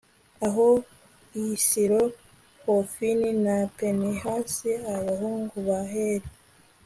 aho i silo, hofini na pinehasi, abahungu ba heli